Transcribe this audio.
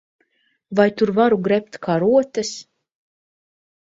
Vai tur varu grebt karotes?